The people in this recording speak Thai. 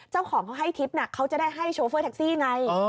เจ้าของเขาให้ทิพย์เขาจะได้ให้โชเฟอร์แท็กซี่ไง